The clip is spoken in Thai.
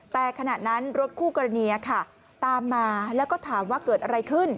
แต่ขณะนั้นรถคู่กรณีค่ะตามมาแล้วก็ถามว่าเกิดอะไรขึ้น